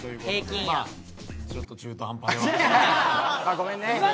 ごめんね。